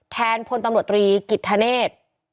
แทนพลตำรวจตรีกิตฑณฑ์ธนิจ